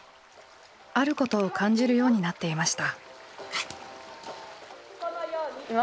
あることを感じるようになっていました。